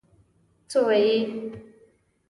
سويي